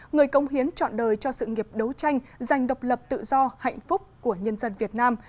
người công hiến chọn đời cho sự nghiệp đấu tranh giành độc lập tự do hạnh phúc của nhân dân việt nam